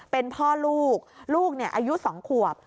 เป็นพ่อลูกลูกอายุ๒ขวบ